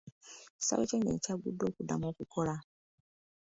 Ekisaawe ky'ennyonyi kyagguddwa okuddamu okukola.